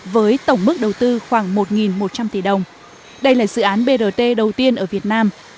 với tổng mức đầu tư khoảng một một trăm linh tỷ đồng đây là dự án brt đầu tiên ở việt nam